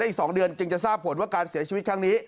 อีก๒เดือนจึงจะทราบผลว่าการเสียชีวิตครั้งนี้